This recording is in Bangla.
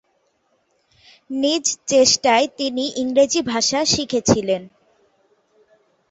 নিজ চেষ্টায় তিনি ইংরেজি ভাষা শিখেছিলেন।